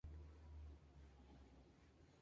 Se alimenta de las aguas de varios arroyos.